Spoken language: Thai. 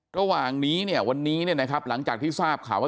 ระหว่างนี้เนี่ยวันนี้เนี่ยนะครับหลังจากที่ทราบข่าวว่า